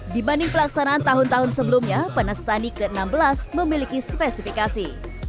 dibanding pelaksanaan tahun tahun sebelumnya penastani ke enam belas memiliki spesifikasi